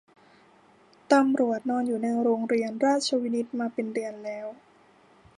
ตำรวจนอนอยู่ในโรงเรียนราชวินิตมาเป็นเดือนแล้ว